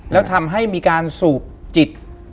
แล้วทำให้มีการสูบจิต